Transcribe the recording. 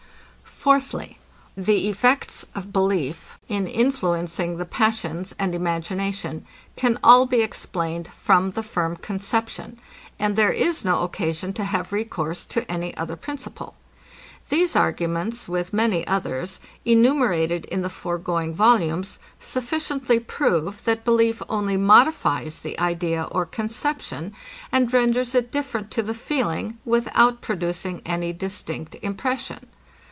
Fourthly, The effects of belief, in influencing the passions and imagination, can all be explained from the firm conception; and there is no occasion to have recourse to any other principle. These arguments, with many others, enumerated in the foregoing volumes, sufficiently prove, that belief only modifies the idea or conception; and renders it different to the feeling, without producing any distinct impression.